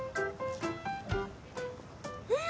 うん！